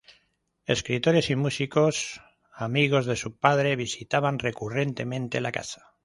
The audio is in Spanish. Escritores y músicos amigos de su padre visitaban recurrentemente la casa.